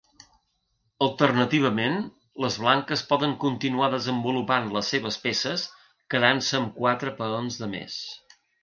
Alternativament, les blanques poden continuar desenvolupant les seves peces, quedant-se amb quatre peons de més.